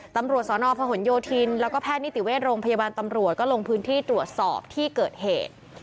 ตำรวจสนพหนโยธินแล้วก็แพทย์นิติเวชโรงพยาบาลตำรวจก็ลงพื้นที่ตรวจสอบที่เกิดเหตุ